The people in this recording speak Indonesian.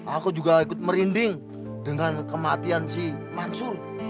aku juga ikut merinding dengan kematian si mansur